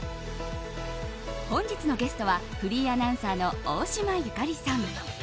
本日のゲストはフリーアナウンサーの大島由香里さん。